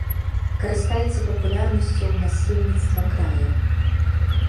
Карыстаецца папулярнасцю ў насельніцтва края.